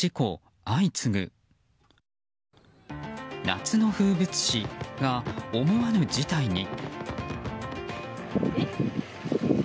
夏の風物詩が、思わぬ事態に。